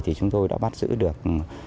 thì chúng tôi đã bắt giữ được